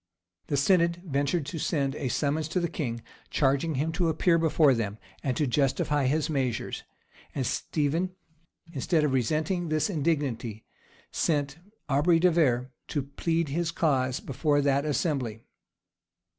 [] The synod, ventured to send a summons to the king, charging him to appear before them, and to justify his measures;[] and Stephen, instead of resenting this indignity, sent Aubrey de Vere to plead his cause before that assembly.